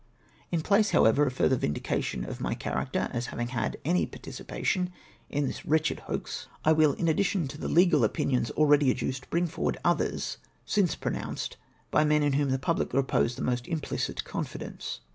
In place, however, of further vindication of my character as having had any paiticipation in this wretched hoax, I will, in addition to the legal opinions akeady adduced, bring forward others since pronounced by men in whom the public repose the most implicit confidence.